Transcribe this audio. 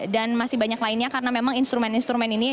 dan masih banyak lainnya karena memang instrumen instrumen ini